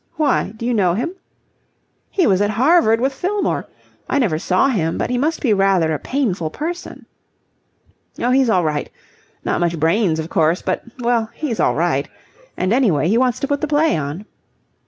Why, do you know him?" "He was at Harvard with Fillmore. I never saw him, but he must be rather a painful person." "Oh, he's all right. Not much brains, of course, but well, he's all right. And, anyway, he wants to put the play on."